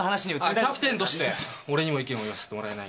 キャプテンとして俺にも意見を言わせてもらえないかな。